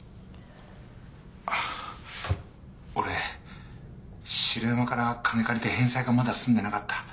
俺城山から金借りて返済がまだ済んでなかった。